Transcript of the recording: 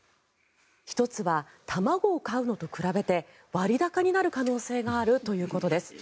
１つは、卵を買うのと比べて割高になる可能性があるということです。